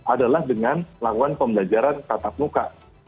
adalah dengan lakukan pembelajaran kata penuka